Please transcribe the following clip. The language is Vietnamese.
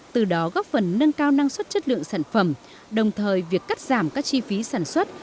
từ đó góp phần nâng cao năng suất chất lượng sản phẩm đồng thời việc cắt giảm các chi phí sản xuất